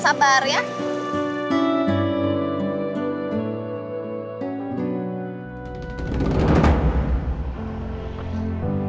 sampai jumpa lagi